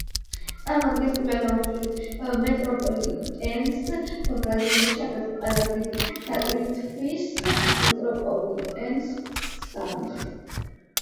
წარმოადგენს პირველ და უმსხვილეს მეტროპოლიტენს ბრაზილიაში, აგრეთვე ყველაზე დიდი დატვირთვის მეტროპოლიტენს სამხ.